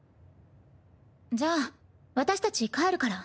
じゃあ私たち帰るから。